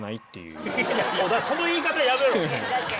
その言い方やめろ！